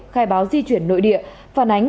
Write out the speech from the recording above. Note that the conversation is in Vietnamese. khai báo di chuyển nội địa phản ánh